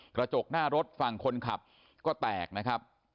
กระจกหน้ารถฝั่งคนขับก็แตกนะครับ